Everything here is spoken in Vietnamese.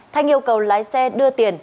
thanh yêu cầu lái xe đưa tiền